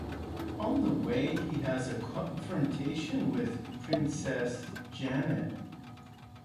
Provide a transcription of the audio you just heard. On the way, he has a confrontation with Princesse Jeanette.